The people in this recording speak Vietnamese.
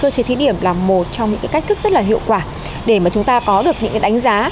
cơ chế thí điểm là một trong những cái cách thức rất là hiệu quả để mà chúng ta có được những cái đánh giá